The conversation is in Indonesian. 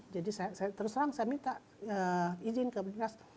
jadi saya terus terang saya minta izin ke penginas